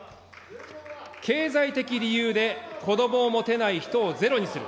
経済的理由で子どもを持てない人をゼロにする。